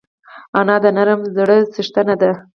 انا د نرم زړه څښتنه ده